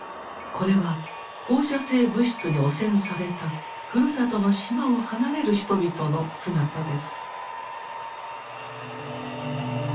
これは放射性物質に汚染されたふるさとの島を離れる人々の姿です。